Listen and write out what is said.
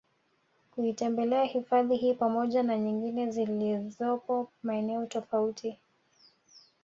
kuitembelea hifadhi hii pamoja na nyingine ziolizopo maeneo tofauti